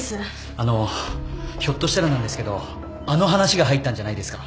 あのひょっとしたらなんですけどあの話が入ったんじゃないですか。